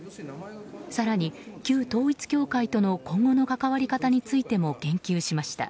更に、旧統一教会との今後の関わり方についても言及しました。